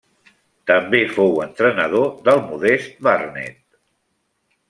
També fou entrenador del modest Barnet.